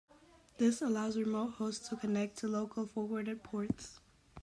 This allows remote hosts to connect to local forwarded ports.